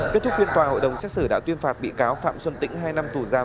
kết thúc phiên tòa hội đồng xét xử đã tuyên phạt bị cáo phạm xuân tĩnh hai năm tù giam